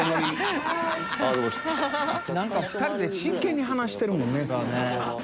何か２人で真剣に話してるもんね。